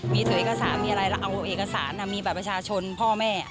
มีถือเอกสารและเอาเอกสารมีแบบประชาชนพ่อแม่